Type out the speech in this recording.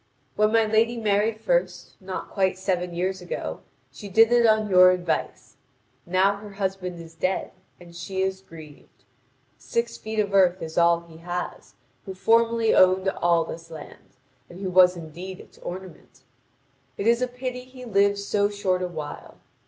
When my lady married first, not quite seven years ago, she did it on your advice. Now her husband is dead, and she is grieved. Six feet of earth is all he has, who formerly owned all this land, and who was indeed its ornament. It is a pity he lived so short a while.